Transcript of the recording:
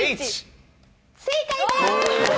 正解です。